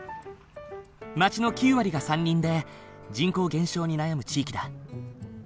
町の９割が山林で人口減少に悩む地域だ。